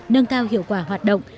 nâng cao hiệu quả hoạt động